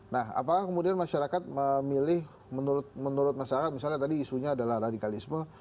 nah apakah kemudian masyarakat memilih menurut masyarakat misalnya tadi isunya adalah radikalisme